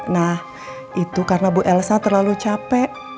nah itu karena bu elsa terlalu capek